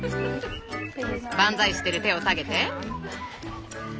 万歳してる手を下げて。